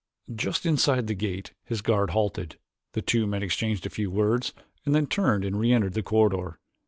Just inside the gate his guard halted. The two men exchanged a few words and then turned and reentered the corridor.